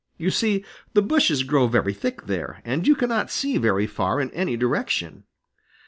You see, the bushes grow very thick there, and you cannot see very far in any direction.